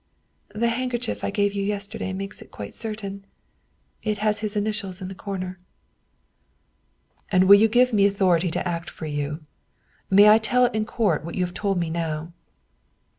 The hand kerchief I gave you yesterday makes it quite certain. It had his initials in the corner." " And will you give me authority to act for you ? May I tell in court what you have told me now?"